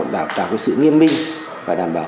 tạo ra sự nghiêm minh và đảm bảo